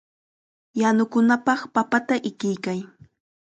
Yanukunapaq papata ikiykay.